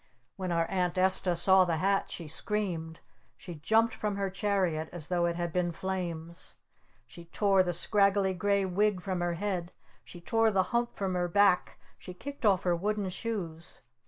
When our Aunt Esta saw the hat she screamed! She jumped from her chariot as though it had been flames! She tore the scraggly gray wig from her head! She tore the hump from her back! She kicked off her wooden shoes!